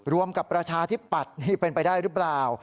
รวมกับประชาธิปัตย์นี่เป็นไปได้หรือเปล่า